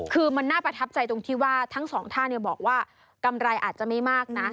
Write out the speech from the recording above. คือมันน่าประทับใจตรงที่ว่าทั้งสองท่านบอกว่ากำไรอาจจะไม่มากนะ